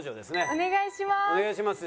お願いします。